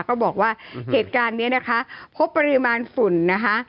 ก็บอกว่าเหตุการณ์นี้นะคะพบปริมาณฝุ่นนะคะ